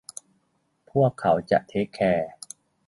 พวกเขาจะเทกแคร์